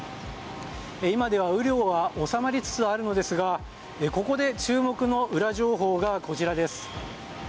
今では雨量は収まりつつあるのですがここで注目のウラ情報がこちらです。